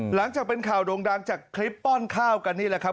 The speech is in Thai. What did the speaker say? หลังจากเป็นข่าวโด่งดังจากคลิปป้อนข้าวกันนี่แหละครับ